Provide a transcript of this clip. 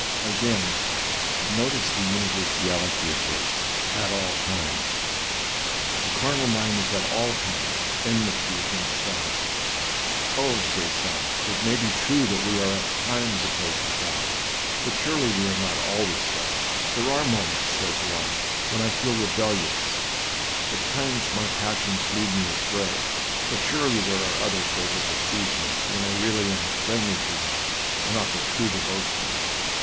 Again, notice the universality of this at all times. The carnal mind is at all times enmity against God. " Oh," say some, " it may be true that we are at times opposed to God, but surely we are not always so." " There be moments," says one, " when I feel rebel lious ; at times my passions lead me astray ; but surely there are other favorable seasons when I really am friendly to God, and offer true devotion.